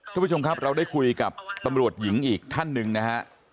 ทุกผู้ชมครับเราได้คุยกับตำรวจหญิงอีกท่านหนึ่งนะฮะ